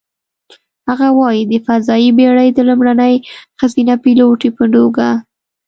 هغه وايي: "د فضايي بېړۍ د لومړنۍ ښځینه پیلوټې په توګه،